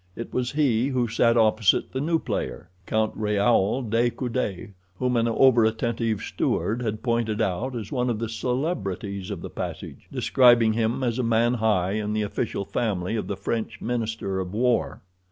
It was he who sat opposite the new player, Count Raoul de Coude, whom an over attentive steward had pointed out as one of the celebrities of the passage, describing him as a man high in the official family of the French minister of war.